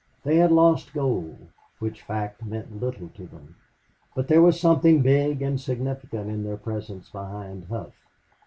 They had lost gold, which fact meant little to them. But there was something big and significant in their presence behind Hough.